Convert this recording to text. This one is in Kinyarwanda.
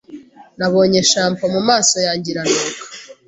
Nabonye shampoo mumaso yanjye iranuka.